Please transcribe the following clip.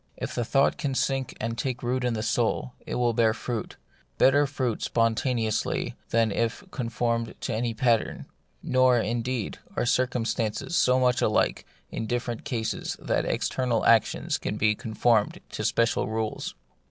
If the thought can sink and take root in the soul, it will bear fruit , better fruit spontaneously than if conformed to any pattern. Nor, indeed, are circumstances so much alike in different cases that external actions can be conformed to special rules.